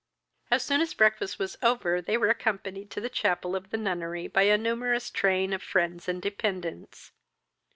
As soon as breakfast was over, they were accompanied to the chapel of the nunnery by a numerous train of friends and dependents.